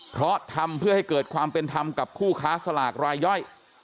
เพราะทำเพื่อให้เกิดความเป็นธรรมกับคู่ค้าสลากรายย่อย